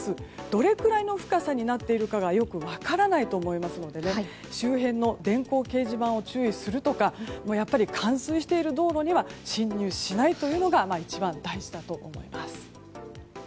どれくらいの深さになっているかよく分からないと思いますので周辺の電光掲示板を注意するとか冠水している道路には進入しないというのが一番大事だと思います。